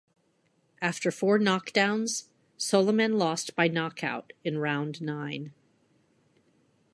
After four knockdowns, Soliman lost by knockout in round nine.